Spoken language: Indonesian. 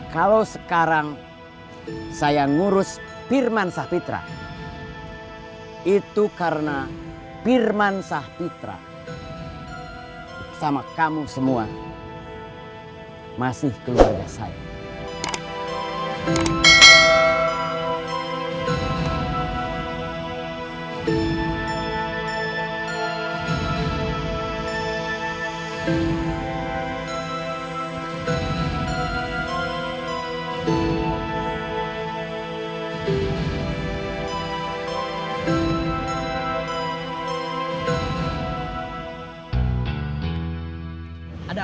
kalau sekarang saya ngurus perman sahpitra itu karena perman sahpitra sama kamu semua masih keluarga saya